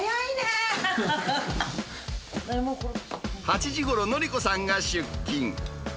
８時ごろ、法子さんが出勤。